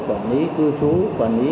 quản lý cư trú quản lý